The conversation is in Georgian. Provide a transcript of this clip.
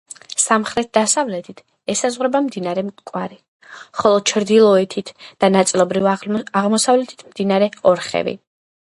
სამხრეთ-დასავლეთით ესაზღვრება მდინარე მტკვარი, ხოლო ჩრდილოეთით და ნაწილობრივ აღმოსავლეთით მდინარე ორხევი.